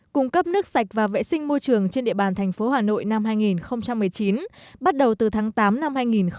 cung cấp nước sạch và vệ sinh môi trường trên địa bàn thành phố hà nội năm hai nghìn một mươi chín bắt đầu từ tháng tám năm hai nghìn một mươi chín